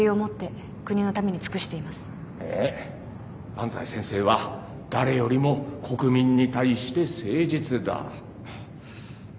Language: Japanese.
安斎先生は誰よりも国民に対して誠実だ。